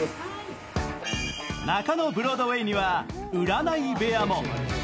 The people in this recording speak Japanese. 中野ブロードウェイには占い部屋も。